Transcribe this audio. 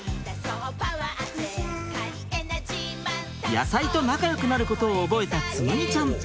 野菜と仲よくなることを覚えた紬ちゃん。